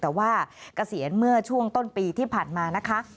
แต่ว่าเกษียณเมื่อช่วงต้นปีที่ผ่านมานะคะ